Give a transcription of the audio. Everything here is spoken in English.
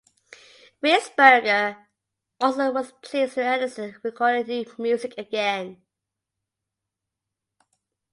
Weisberger also was pleased to Anderson recording new music again.